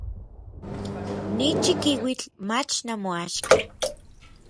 Ni chikiuitl mach namoaxka.